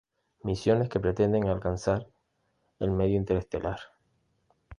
Misiones que pretenden alcanzar el medio interestelar.